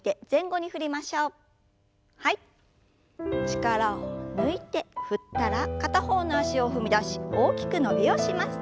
力を抜いて振ったら片方の脚を踏み出し大きく伸びをします。